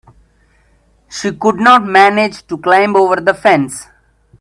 She could not manage to climb over the fence.